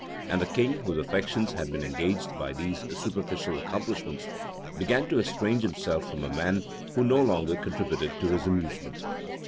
And the king, whose affections had been engaged by these superficial accomplishments, began to estrange himself from a man who no longer contributed to his amusement.